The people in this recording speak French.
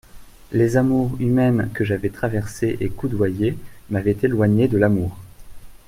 Les amours humaines que j'avais traversées et coudoyées m'avaient éloignée de l'amour.